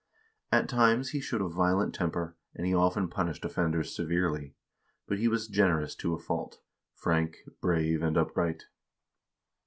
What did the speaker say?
At times he showed a violent temper, and he often punished offenders severely; but he was generous to a fault, frank, brave, and upright.